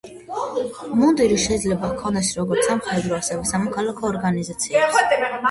მუნდირი შეიძლება ჰქონდეს როგორც სამხედრო, ასევე სამოქალაქო ორგანიზაციებს.